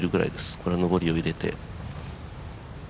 これは上りを入れて。